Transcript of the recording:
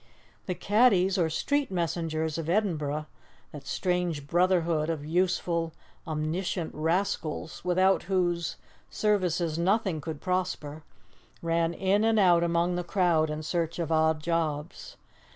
The caddies, or street messengers of Edinburgh, that strange brotherhood of useful, omniscient rascals, without whose services nothing could prosper, ran in and out among the crowd in search of odd jobs.